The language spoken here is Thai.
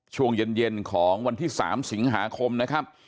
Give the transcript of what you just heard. ช่วงเย็นของวันที่๓สิงหาคมนะครับ